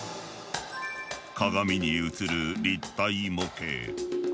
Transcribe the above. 鏡に映る立体模型。